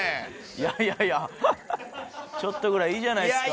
いやいやいやちょっとぐらいいいじゃないですか。